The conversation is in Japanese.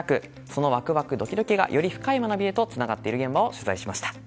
そのドキドキ、ワクワクがより深い学びへとつながっている現場を取材しました。